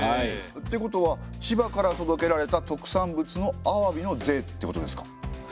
ってことは千葉から届けられた特産物のアワビの税ってことですか？